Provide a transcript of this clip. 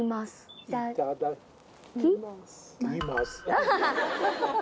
アハハ。